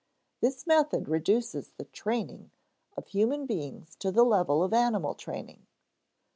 This method reduces the "training" of human beings to the level of animal training.